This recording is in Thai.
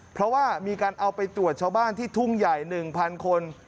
เพราะว่ามีการเอาไปตรวจชาวบ้านที่ทุ่งใหญ่๑๐๐คน